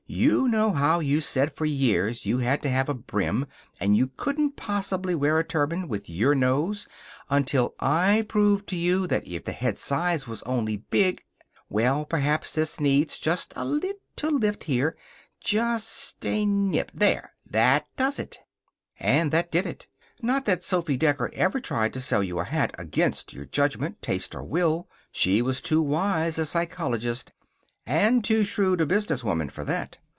You know how you said, for years, you had to have a brim, and couldn't possibly wear a turban, with your nose, until I proved to you that if the head size was only big ... Well, perhaps this needs just a lit tle lift here. Ju u ust a nip. There! That does it." And that did it. Not that Sophy Decker ever tried to sell you a hat against your judgment, taste, or will. She was too wise a psychologist and too shrewd a businesswoman for that.